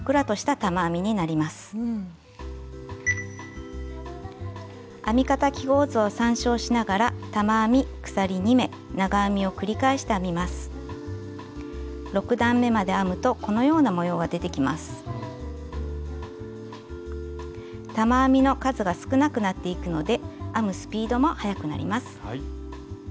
玉編みの数が少なくなっていくので編むスピードもはやくなります。